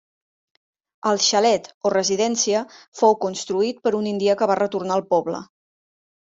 El xalet, o residència, fou construït per un indià que va retornar al poble.